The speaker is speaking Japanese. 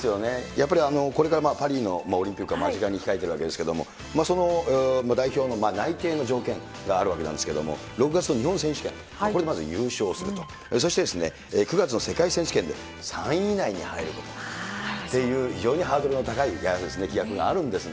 やっぱりこれからパリのオリンピックが間近に控えてるわけですけれども、その代表の内定の条件があるわけなんですけども、６月の日本選手権、ここでまず優勝すると、そして９月の世界選手権で３位以内に入ることっていう、非常によりハードルの高い規約があるんですが。